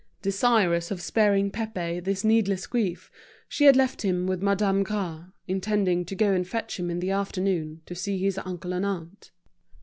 Desirous of sparing Pépé this needless grief, she had left him with Madame Gras, intending to go and fetch him in the afternoon to see his uncle and aunt.